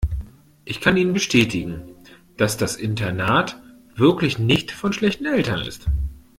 Ich kann Ihnen bestätigen, dass das Internat wirklich nicht von schlechten Eltern ist.